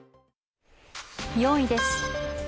４位です。